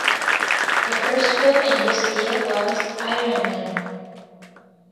The first film in this deal was "Iron Man".